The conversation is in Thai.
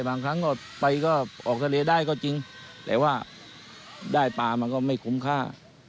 บางครั้งก็ไปก็ออกทะเลได้ก็จริงแต่ว่าได้ปลามันก็ไม่คุ้มค่า